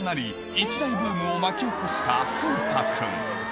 一大ブームを巻き起こした風太くん